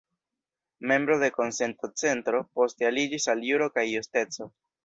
Membro de Konsento-Centro, poste aliĝis al Juro kaj Justeco.